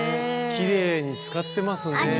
きれいに使ってますね。